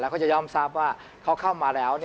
เขาจะย่อมทราบว่าเขาเข้ามาแล้ว